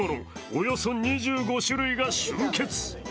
およそ２５種類が集結。